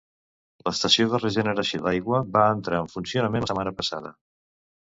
L'estació de regeneració d'aigua va entrar en funcionament la setmana passada.